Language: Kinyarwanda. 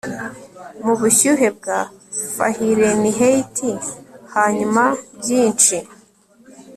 mubushyuhe bwa Fahrenheit hanyuma byinshi